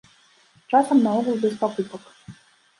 Часам наогул без пакупак.